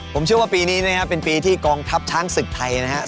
ผมเชื่อว่าปีนี้นะครับเป็นปีที่กองทัพช้างศึกไทยนะครับ